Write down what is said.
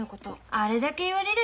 あれだけ言われりゃ